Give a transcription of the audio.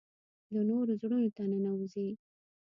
د نورو زړونو ته ننوځي .